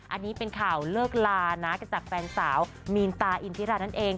อันนี้เป็นข่าวเลิกลานะจากแฟนสาวมีนตาอินทิรานั่นเอง